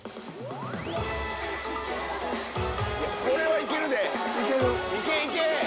これは行けるで！